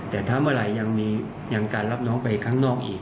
แต่ถ้าเมื่อไหร่ยังมีการรับน้องไปข้างนอกอีก